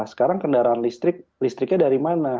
sekarang kendaraan listrik listriknya dari mana